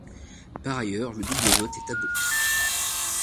Par ailleurs, le double vote est aboli.